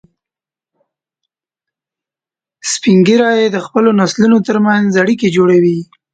سپین ږیری د خپلو نسلونو تر منځ اړیکې جوړوي